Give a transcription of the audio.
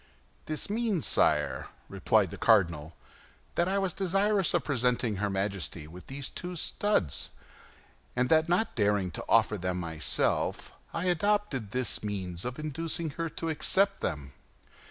"This means, sire," replied the cardinal, "that I was desirous of presenting her Majesty with these two studs, and that not daring to offer them myself, I adopted this means of inducing her to accept them."